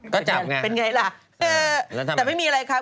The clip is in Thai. ก็จะเป็นไงล่ะแต่ไม่มีอะไรครับ